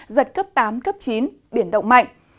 giật cấp tám cấp chín biển động mạnh